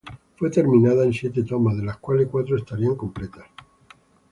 Fue terminada en siete tomas, de las cuales cuatro estarían completas.